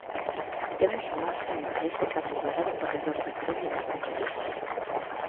Temos o máximo interese para mellorar o corredor do tren de mercadorías.